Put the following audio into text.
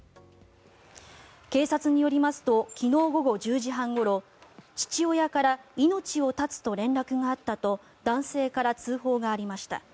警察によりますと昨日午後１０時半ごろ父親から命を絶つと連絡があったと男性から通報がありました。